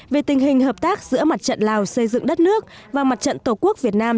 về tình hình hợp tác giữa mặt trận lào xây dựng đất nước và mặt trận tổ quốc việt nam